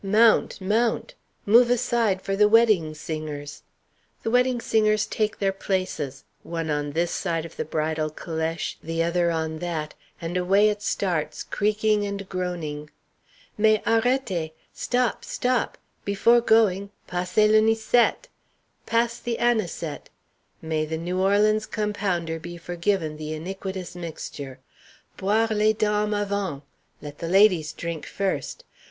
"Mount! Mount! Move aside for the wedding singers!" The wedding singers take their places, one on this side the bridal calèche, the other on that, and away it starts, creaking and groaning. "Mais, arretez! Stop, stop! Before going, passez le 'nisette! pass the anisette!" May the New Orleans compounder be forgiven the iniquitous mixture! "Boir les dames avant! Let the ladies drink first!"